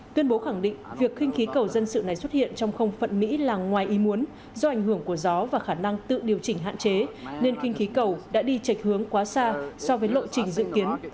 tuyên bố khẳng định việc khinh khí cầu dân sự này xuất hiện trong không phận mỹ là ngoài ý muốn do ảnh hưởng của gió và khả năng tự điều chỉnh hạn chế nên kinh khí cầu đã đi chạch hướng quá xa so với lộ trình dự kiến